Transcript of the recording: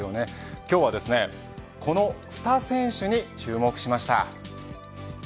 今日はこの２選手に注目しました。